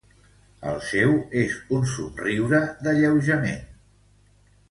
El seu és un somriure d'alleujament.